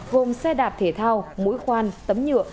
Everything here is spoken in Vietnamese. gồm xe đạp thể thao mũi khoan tấm nhựa